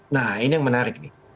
nah ini yang menarik nih